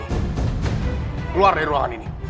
keluar dari ruangan ini